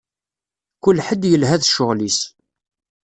Kul ḥedd yelha d cceɣl-is.